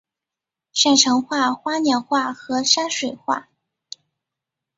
擅长画花鸟画和山水画。